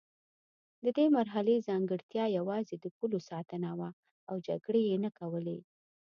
د دې مرحلې ځانګړتیا یوازې د پولو ساتنه وه او جګړې یې نه کولې.